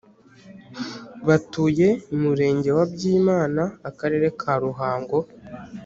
Batuye murenge wa Byimana akarere ka Ruhango